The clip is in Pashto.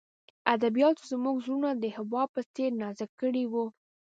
ادبیاتو زموږ زړونه د حباب په څېر نازک کړي وو